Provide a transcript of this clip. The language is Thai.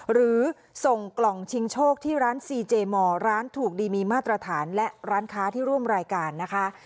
หรือส่งกล่องชิงโชคที่ร้านซีเจมอร์ร้านถูกดีมีมาตรฐานและร้านค้าที่ร่วมรายการนะคะ